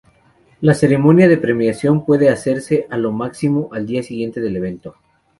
La ceremonia de premiación puede hacerse a lo máximo al día siguiente del evento.